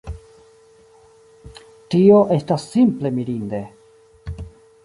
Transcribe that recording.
Tio estas simple mirinde!